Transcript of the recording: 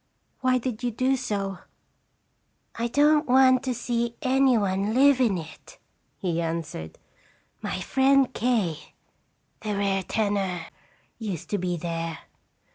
Why did you do so ?''" I don't want to see any one live in ft, ".he answered. "My friend K , the rare tenor, used to be there.